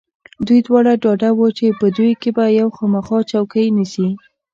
دوی دواړه ډاډه و چې په دوی کې به یو خامخا چوکۍ نیسي.